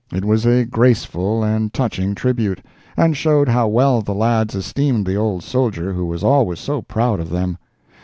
It was a graceful and touching tribute, and showed how well the lads esteemed the old soldier who was always so proud of them.